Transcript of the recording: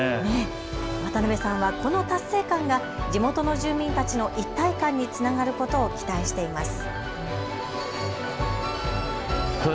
渡辺さんはこの達成感が地元の住民たちの一体感につながることを期待しています。